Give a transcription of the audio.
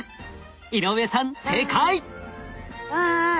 井上さん正解！わい？